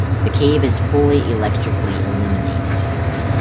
The cave is fully electrically illuminated.